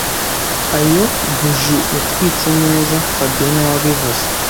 Ayo buji yatwitse ameza fabien niwe wabivuze